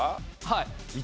はい。